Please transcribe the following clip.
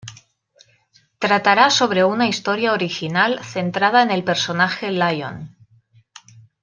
Tratará sobre una historia original centrada en el personaje Lion.